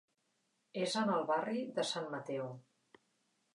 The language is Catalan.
És en el barri de Sant Mateu.